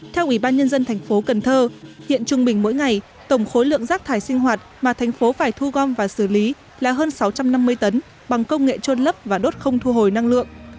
theo ủy ban nhân dân thành phố cần thơ hiện trung bình mỗi ngày tổng khối lượng rác thải sinh hoạt mà thành phố phải thu gom và xử lý là hơn sáu trăm năm mươi tấn bằng công nghệ trôn lấp và đốt không thu hồi năng lượng